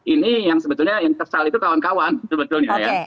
ini yang sebetulnya yang kesal itu kawan kawan sebetulnya ya